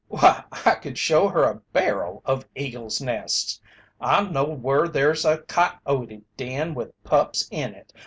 "Why, I could show her a barrel of eagles' nests! I know whur there's a coyote den with pups in it!